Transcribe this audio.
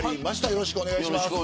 よろしくお願いします。